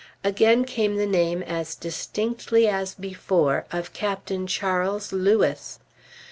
Again came the name as distinctly as before, of Captain Charles Lewis.